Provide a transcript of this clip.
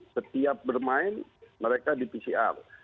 setiap bermain mereka di pcr